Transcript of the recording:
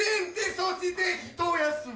そしてひと休み。